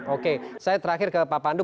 oke saya terakhir ke pak pandu